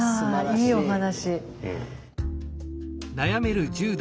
いいお話。